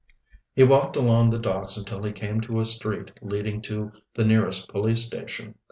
He walked along the docks until he came to a street leading to the nearest police station.